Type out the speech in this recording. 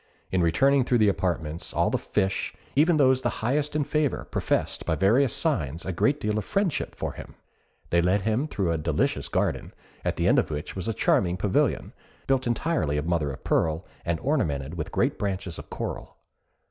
In returning through the apartments all the fish, even those the highest in favour, professed, by various signs, a great deal of friendship for him. They led him through a delicious garden, at the end of which was a charming pavilion, built entirely of mother of pearl, and ornamented with great branches of coral.